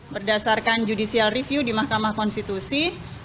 berdasarkan judicial review di mahkamah konstitusi